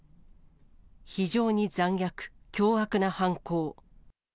非常に残虐、凶悪な犯行。